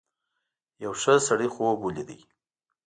یو ښه سړي خوب ولید.